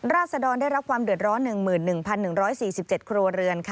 ราษดรได้ร็บความเดือดร้อน๒๑๑๔๗คุโรเรือน